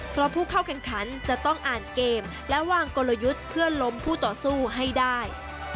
เพราะผู้เข้าแข่งขันจะต้องอ่านเกมและวางกลยุทธ์เพื่อล้มผู้ต่อสู้ให้ได้